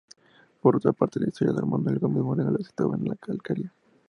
Por otra parte el historiador Manuel Gómez-Moreno los situaba en La Alcarria.